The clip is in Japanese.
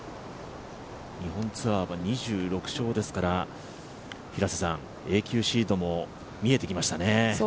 日本ツアーは２６勝ですから永久シードも見えてきましたね。